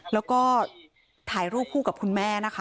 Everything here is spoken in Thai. แล้วก็ถ่ายรูปคู่กับคุณแม่นะคะ